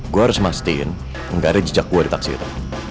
gue harus mastiin gak ada jejak gue di taksi itu